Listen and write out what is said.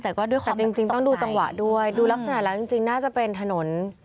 แต่จริงต้องดูจังหวะด้วยดูลักษณะแล้วยังจริงน่าจะเป็นถนน